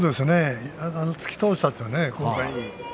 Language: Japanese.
突き倒したというのは。